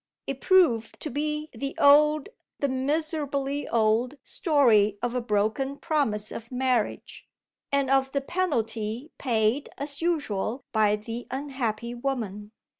It proved to be the old, the miserably old, story of a broken promise of marriage, and of the penalty paid as usual by the unhappy woman.